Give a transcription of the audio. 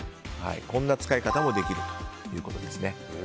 こんな使い方もできるということです。